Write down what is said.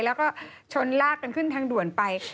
แล้วก็ชนลากกันขึ้นทางด่วนไป